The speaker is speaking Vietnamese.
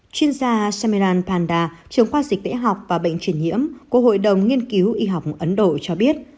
chuyên gia samiran panda trưởng khoa dịch đại học và bệnh trình nhiễm của hội đồng nghiên cứu y học ấn độ cho biết